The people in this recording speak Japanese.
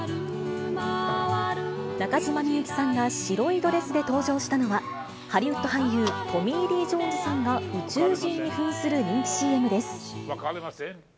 中島みゆきさんが白いドレスで登場したのは、ハリウッド俳優、トミー・リー・ジョーンズさんが宇宙人にふんする人気ＣＭです。